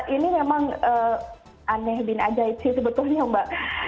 ini memang aneh bin ajaici betul nggak mbak